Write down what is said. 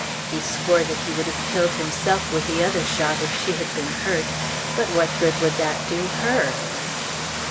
He swore that he would have killed himself with the other shot if she had been hurt; but what good would that do her?